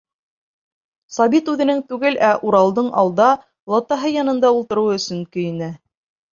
Сабит үҙенең түгел, ә Уралдың алда, олатаһы янында, ултырыуы өсөн көйөнә...